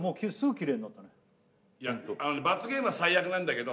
いや罰ゲームは最悪なんだけど